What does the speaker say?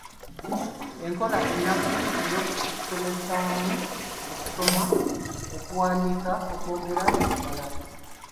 Enkola ennafu ey’okusomesaamu okusoma, okuwandiika, okwogera n’okubala.